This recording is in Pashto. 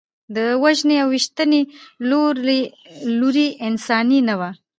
د وژنې او ویشتنې لوری انساني نه و.